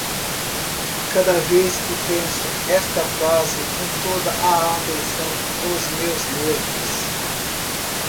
Cada vez que penso esta frase com toda a atenção dos meus nervos